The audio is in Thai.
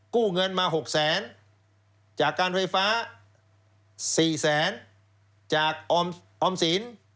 กู้เงินมา๖แสนจากการไฟฟ้า๔แสนจากออมสิน